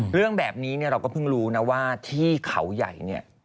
เรื่องแบบนี้เราก็เพิ่งรู้นะว่าที่เขาใหญ่เนี่ย